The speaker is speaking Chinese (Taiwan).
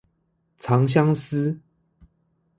長相思